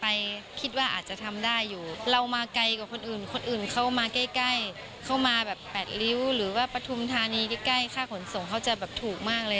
ไปคุณว่าท่ามได้อยู่เรามาไกลกับคนอื่นคนอื่นเข้ามาใกล้เข้ามาแบบแปดริวหรือว่าประทุนทีนี่ใกล้ค่าหุ่นส่งเขาจะแบบถูก